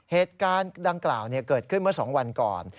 เหตุการณ์ดังกล่าวเกิดขึ้นเมื่อ๒วันก่อน